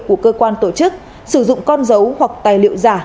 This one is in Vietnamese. của cơ quan tổ chức sử dụng con dấu hoặc tài liệu giả